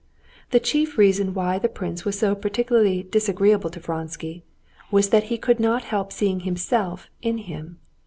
The chief reason why the prince was so particularly disagreeable to Vronsky was that he could not help seeing himself in him.